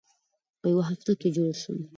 په یوه هفته کې جوړ شوم.